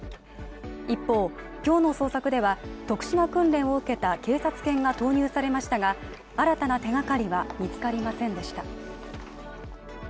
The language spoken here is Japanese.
一方、今日の捜索では特殊な訓練を受けた警察犬が投入されましたが、新たな手がかりは見つかりませんでした。